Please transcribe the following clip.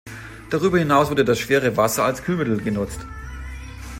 Darüber hinaus wurde das Schwere Wasser als Kühlmittel genutzt.